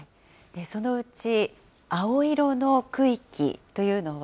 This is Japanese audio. そのうち青色の区域というのは、